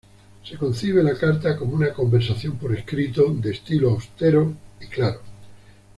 Se concibe la carta como una "conversación por escrito", de estilo austero y claro.